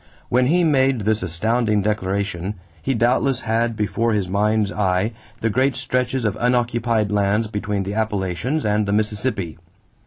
When he made this astounding declaration, he doubtless had before his mind's eye the great stretches of unoccupied lands between the Appalachians and the Mississippi.